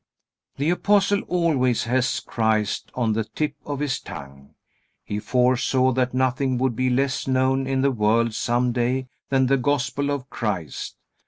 The Apostle always has Christ on the tip of his tongue. He foresaw that nothing would be less known in the world some day than the Gospel of Christ.